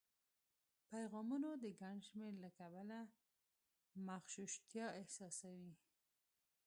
پیغامونو د ګڼ شمېر له کبله مغشوشتیا احساسوي